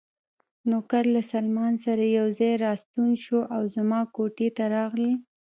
نوکر له سلمان سره یو ځای راستون شو او زما کوټې ته راغلل.